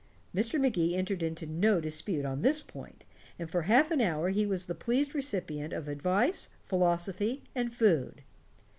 Mr. Magee entered into no dispute on this point, and for half an hour he was the pleased recipient of advice, philosophy, and food.